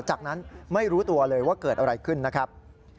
จากนั้นไม่รู้ตัวเลยว่าเกิดอะไรขึ้นนะครับ